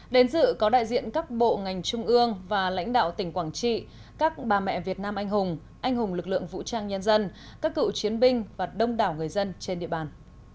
đến dự có đại diện các bộ ngành trung ương và lãnh đạo tỉnh quảng trị các bà mẹ việt nam anh hùng anh hùng lực lượng vũ trang nhân dân các cựu chiến binh và đông đảo người dân trên địa bàn